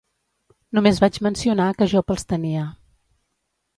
Només vaig mencionar que Job els tenia.